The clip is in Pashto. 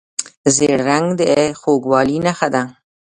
ژیړ رنګ د خوږوالي نښه ده.